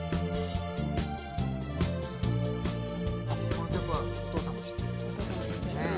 この曲はお父さんも知ってる？